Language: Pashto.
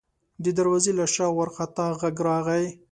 د دروازې له شا وارخطا غږ راغی: